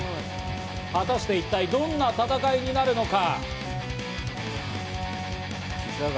果たして一体、どんな戦いになるのか。